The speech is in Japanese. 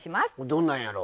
どんなんやろ？